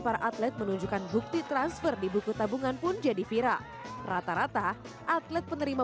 para atlet menunjukkan bukti transfer di buku tabungan pun jadi viral rata rata atlet penerima